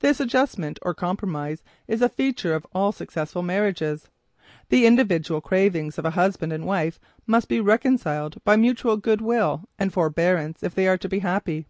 This adjustment or compromise is a feature of all successful marriages. The individual cravings of husband and wife must be reconciled by mutual good will and forbearance if they are to be happy.